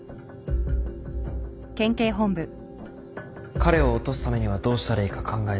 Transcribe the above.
彼を落とすためにはどうしたらいいか考えて。